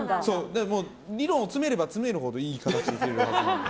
理論を詰めれば詰めるほどいい形でいけるはず。